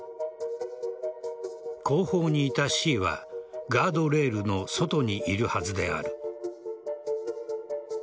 後方にいたＣはガードレールの外にいるはずである。